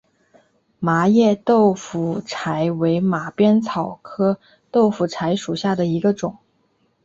麻叶豆腐柴为马鞭草科豆腐柴属下的一个种。